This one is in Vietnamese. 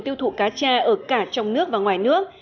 tiêu thụ cacha ở cả trong nước và ngoài nước